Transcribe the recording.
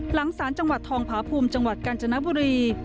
หลังศาลจังหวัดทองพาภูมิจังหวัดกาญจนบุรี